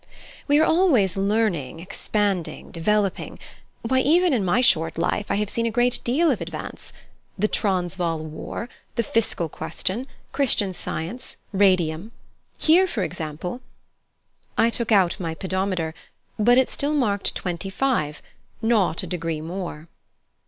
"We are always learning, expanding, developing. Why, even in my short life I have seen a great deal of advance the Transvaal War, the Fiscal Question, Christian Science, Radium. Here for example " I took out my pedometer, but it still marked twenty five, not a degree more.